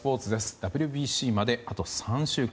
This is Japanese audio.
ＷＢＣまであと３週間。